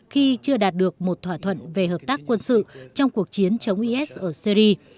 khi chưa đạt được một thỏa thuận về hợp tác quân sự trong cuộc chiến chống is ở syri